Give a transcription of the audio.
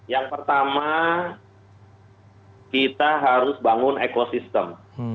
yang pertama kita harus bangun ekosistem